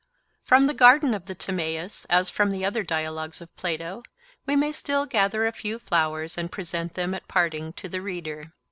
From the garden of the Timaeus, as from the other dialogues of Plato, we may still gather a few flowers and present them at parting to the reader.